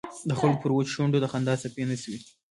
د خلکو پر وچو شونډو د خندا څپې نڅوي.